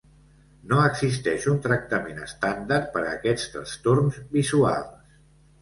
No existeix un tractament estàndard per a aquests trastorns visuals.